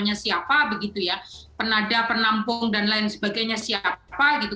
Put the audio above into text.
hanya siapa begitu ya penada penampung dan lain sebagainya siapa gitu